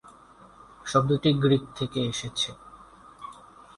শব্দটি গ্রীক থেকে এসেছে।